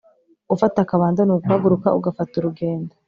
gufata akabando ni uguhaguruka ugafata urugendo